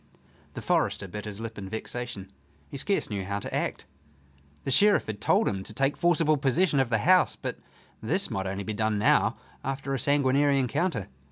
The forester bit his lip in vexation. He scarce knew how to act. The Sheriff had told him to take forcible possession of the house, but this might only be done now after a sanguinary encounter.